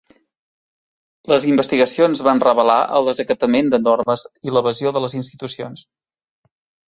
Les investigacions van revelar el desacatament de normes i l'evasió de les institucions.